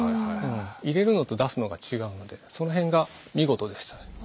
入れるのと出すのは違うのでその辺が見事でしたね。